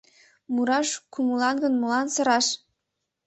— Мураш кумылан гын, молан сыраш?